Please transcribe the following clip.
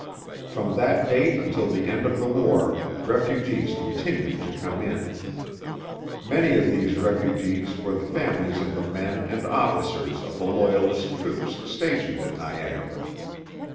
From that date until the end of the war refugees continued to come in. Many of these refugees were the families of the men and officers of the Loyalist troops stationed at Niagara.